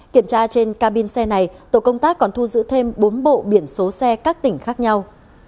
kiểm tra trên cabin xe này tổ công tác còn thu giữ thêm bốn bộ biển số xe các tỉnh khác nhau